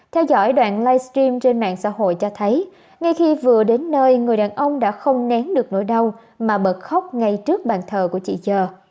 theo dõi đoạn livestream trên mạng xã hội cho thấy ngay khi vừa đến nơi người đàn ông đã không nén được nỗi đau mà bật khóc ngay trước bàn thờ của chị chơ